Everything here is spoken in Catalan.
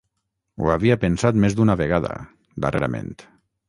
Ho havia pensat més d'una vegada, darrerament.